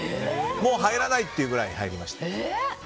もう入らないっていうくらい入りました。